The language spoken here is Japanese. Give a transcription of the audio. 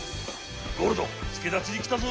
ゴールドすけだちにきたぞ。